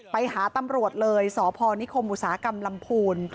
ไปหาตำรวจเลยสพนิคมอุตสาหกรรมลำพูน